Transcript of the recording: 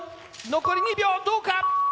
残り２秒どうか。